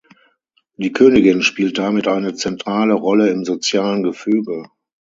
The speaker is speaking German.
Die Königin spielt damit eine zentrale Rolle im sozialen Gefüge.